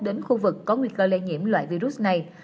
đến khu vực có nguy cơ lây nhiễm loại virus này